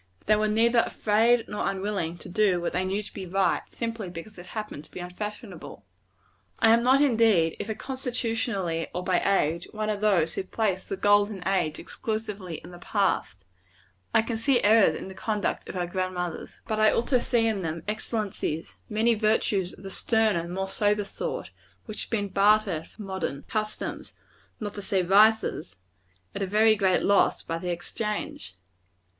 They were neither afraid nor unwilling to do what they knew to be right, simply because it happened to be unfashionable. I am not, indeed, either constitutionally or by age, one of those who place the golden age exclusively in the past. I can see errors in the conduct of our grand mothers. But I also see in them excellencies; many virtues of the sterner, more sober sort, which have been bartered for modern customs not to say vices at a very great loss by the exchange.